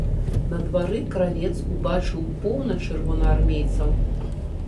На двары кравец убачыў поўна чырвонаармейцаў.